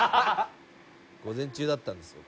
「午前中だったんですよ」